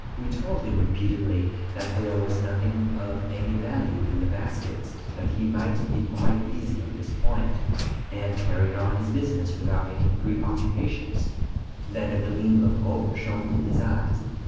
We told him repeatedly that there was nothing of any value in the baskets, that he might be quite easy on this point, and carry on his business without any preoccupations. Then a gleam of hope shone in his eyes.